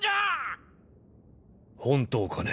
本当かね。